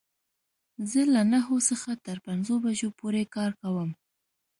زه له نهو څخه تر پنځو بجو پوری کار کوم